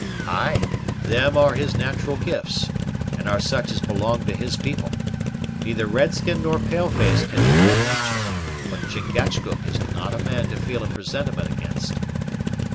"Ay, them are his nat'ral gifts, and are such as belong to his people. Neither red skin nor pale face can deny natur'; but Chingachgook is not a man to feel a presentiment against."